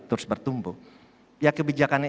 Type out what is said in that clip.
terus bertumbuh ya kebijakannya